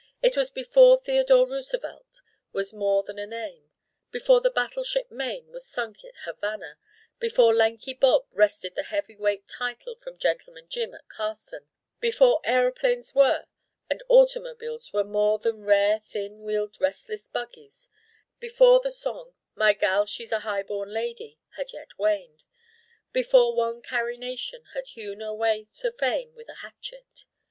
It was before Theodore Roosevelt was more than a name: before the battleship Maine was sunk at Havana: before Lanky Bob wrested the heavyweight title from Gentleman Jim at Carson: before aëroplanes were and automobiles were more than rare thin wheeled restless buggies: before the song 'My Gal She's a High born Lady' had yet waned: before one Carrie Nation had hewn her way to fame with a hatchet.